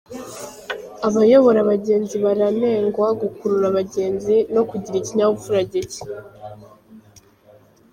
Abayobora abagenzi baranengwa gukurura abagenzi, no kugira ikinyabupfura gicye